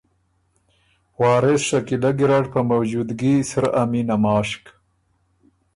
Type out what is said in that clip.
وارث شکیلۀ ګیرډ په موجودګي سرۀ ا مینه ماشک